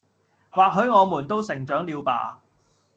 或許我們都成長了吧